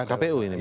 kpu ini berarti